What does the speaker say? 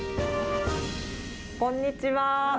こんにちは。